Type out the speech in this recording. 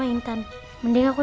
a human being can't